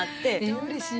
うれしい。